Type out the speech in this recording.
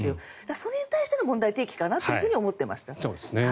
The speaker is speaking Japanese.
それに対しての問題提起かなと思ていました。